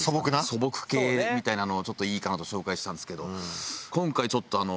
素朴系みたいなのをちょっといいかなと紹介したんですけど。